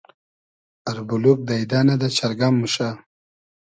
اربولوگ دݷدۂ نۂ , دۂ چئرگئم موشۂ